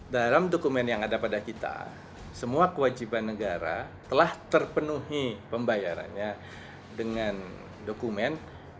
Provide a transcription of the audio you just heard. dalam dokumen yang ada pada kita semua kewajiban negara telah terpenuhi pembayarannya dengan dokumen